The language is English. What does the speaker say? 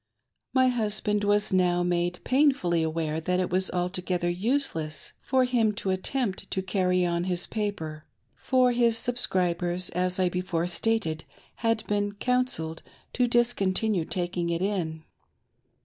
My husband was now made painfully aware that it was alto gether useless for him to attempt to carry on his paper, for his subscribers, as I before stated, had been "counselled" to dis continue taking it in.